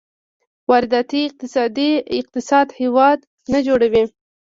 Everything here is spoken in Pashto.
وارداتي اقتصاد هېواد نه جوړوي.